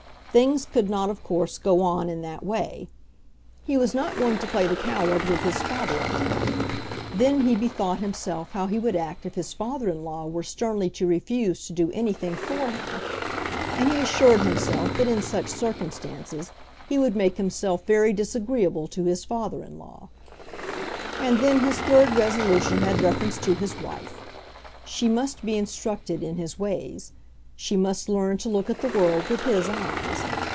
Things could not of course go on in that way. He was not going to play the coward with his father in law. Then he bethought himself how he would act if his father in law were sternly to refuse to do anything for him, and he assured himself that in such circumstances he would make himself very disagreeable to his father in law. And then his third resolution had reference to his wife. She must be instructed in his ways. She must learn to look at the world with his eyes.